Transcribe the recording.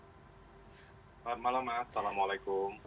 selamat malam mas assalamualaikum